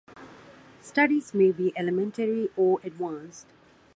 Studies may be elementary or advanced.